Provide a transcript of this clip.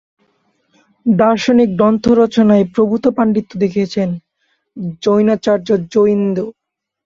দার্শনিক গ্রন্থ রচনায় প্রভূত পান্ডিত্য দেখিয়েছেন জৈনাচার্য জোইন্দু।